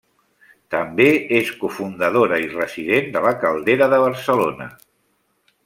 També és cofundadora i resident de La Caldera de Barcelona.